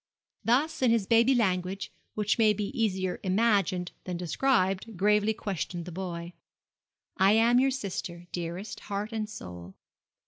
Thus in his baby language, which may be easier imagined than described, gravely questioned the boy. 'I am your sister, dearest, heart and soul.